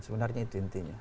sebenarnya itu intinya